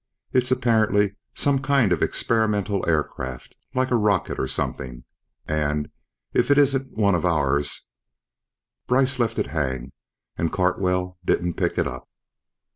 It's apparently some kind of experimental aircraft ... like a rocket, or something. And, if it isn't one of ours..." Brice left it hang and Cartwell didn't pick it up.